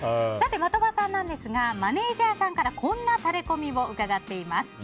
的場さんなんですがマネジャーさんからこんなタレコミを伺っています。